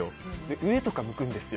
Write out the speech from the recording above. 上とか向くんですよ。